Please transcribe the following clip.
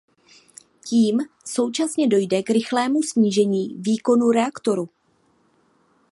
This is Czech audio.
Tím současně dojde k rychlému snížení výkonu reaktoru.